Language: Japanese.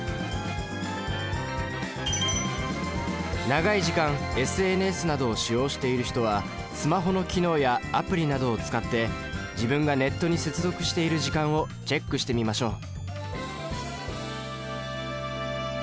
長い時間ＳＮＳなどを使用している人はスマホの機能やアプリなどを使って自分がネットに接続している時間をチェックしてみましょう。